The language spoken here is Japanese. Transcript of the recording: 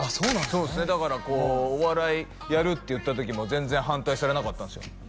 そうですねだからこう「お笑いやる」って言った時も全然反対されなかったんですよ